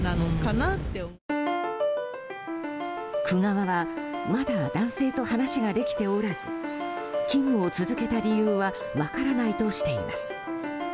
区側はまだ男性と話ができておらず勤務を続けた理由は分からないとしています。